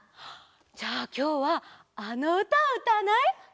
じゃあきょうはあのうたをうたわない？